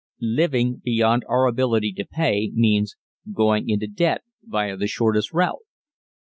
Living beyond our ability to pay means going into debt via the shortest route.